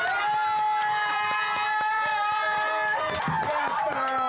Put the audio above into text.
やったー。